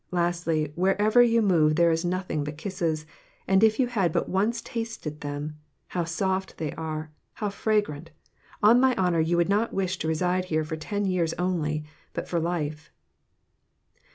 Lastly wherever you move there is nothing but kisses—and if you had but once tasted them! how soft they are! how fragrant! on my honor you would not wish to reside here for ten years only, but for life!"